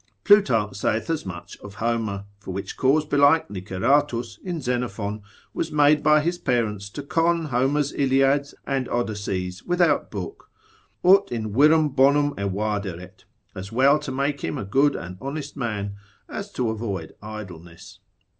Plutarch saith as much of Homer, for which cause belike Niceratus, in Xenophon, was made by his parents to con Homer's Iliads and Odysseys without book, ut in virum bonum evaderet, as well to make him a good and honest man, as to avoid idleness.